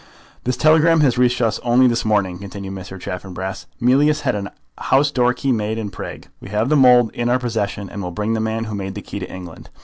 "This telegram has reached us only this morning," continued Mr. Chaffanbrass. "'Mealyus had a house door key made in Prague. We have the mould in our possession, and will bring the man who made the key to England.'